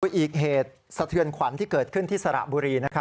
ด้วยอีกเหตุสะเทือนขวัญที่เกิดขึ้นที่สระบุรีนะครับ